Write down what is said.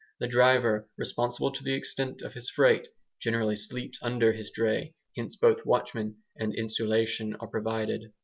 The driver, responsible to the extent of his freight, generally sleeps under his dray; hence both watchman and insulation are provided.